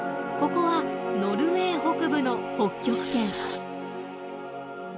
ここはノルウェー北部の北極圏。